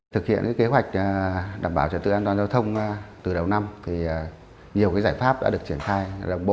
thực hiện kế hoạch đảm bảo trật tự an toàn giao thông từ đầu năm nhiều giải pháp đã được triển khai đồng bộ